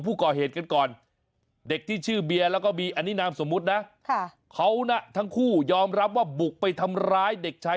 ดูนี่ยังเด็กกันอยู่เลย